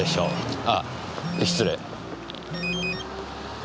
ああ失礼。